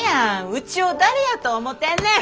うちを誰やと思てんねん！